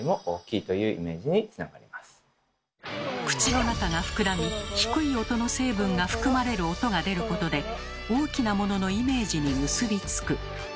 口の中がふくらみ低い音の成分が含まれる音が出ることで大きなもののイメージに結び付く。